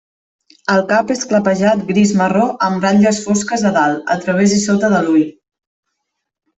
El cap és clapejat gris-marró amb ratlles fosques a dalt, a través i sota l'ull.